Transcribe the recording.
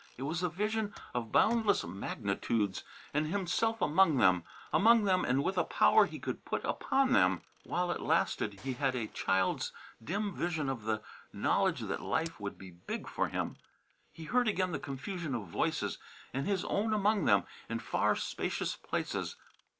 It was a vision of boundless magnitudes and himself among them among them and with a power he could put upon them. While it lasted he had a child's dim vision of the knowledge that life would be big for him. He heard again the confusion of voices, and his own among them, in far spacious places.